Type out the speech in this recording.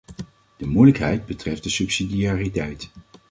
De moeilijkheid betreft de subsidiariteit.